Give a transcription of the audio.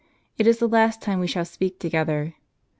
It is the last time we shall speak together.